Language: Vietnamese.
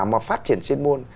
mà phát triển trên môn